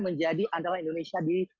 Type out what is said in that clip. menjadi andalan indonesia di